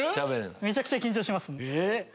めちゃくちゃ緊張しますもん。